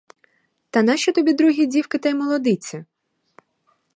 Та нащо тобі другі дівки та й молодиці?